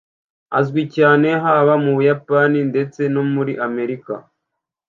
azwi cyane haba mu buyapani ndetse no muri amerika